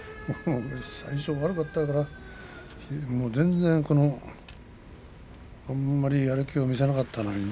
最初は悪かったからあんまりやる気を見せなかったのにね。